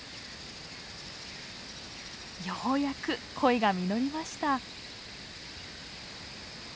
ようやく恋が実りました。